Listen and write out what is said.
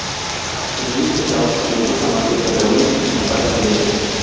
En medio del caos, los dos amantes se reúnen y comparten un beso.